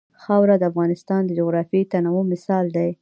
خاوره د افغانستان د جغرافیوي تنوع مثال دی.